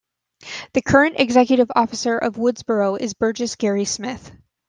The current executive officer of Woodsboro is Burgess Gary Smith.